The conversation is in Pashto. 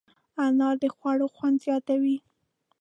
انار د خوړو خوند زیاتوي.